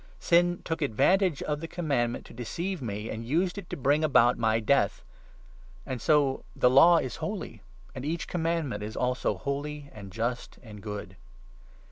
Sin took u advantage of the Commandment to deceive me, and used it to bring about my Death. And so the Law is holy, and 12 each Commandment is also holy, and just, and good.